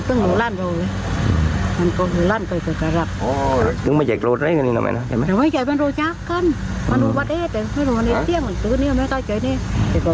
ที่ไอ้เจ้ที่ไอ้จะการลูกเขินเบาเขารักลูกระหลาดบูมกระหลาด